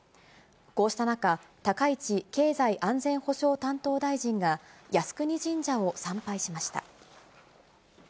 こうした中、高市経済安全保障担当大臣が、靖国神社を参拝しました。